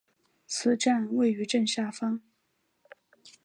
此站位于正下方。